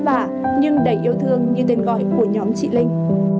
vất vả nhưng đầy yêu thương như tên gọi của nhóm chị linh